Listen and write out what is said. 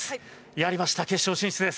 やりました、決勝進出です。